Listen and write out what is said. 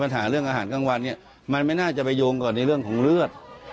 ปัญหาเรื่องอาหารกลางวันเนี่ยมันไม่น่าจะไปโยงก่อนในเรื่องของเลือด